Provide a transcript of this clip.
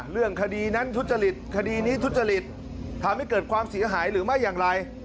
เรื่องคดีนั้นทุจริตคดีนี้ทุจริตทำให้เกิดความเสียหายหรือไม่อย่างไร